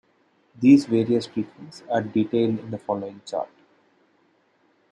These various treatments are detailed in the following chart.